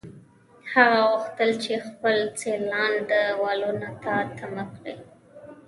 هغه غوښتل چې خپل سیالان دېوالونو ته تمبه کړي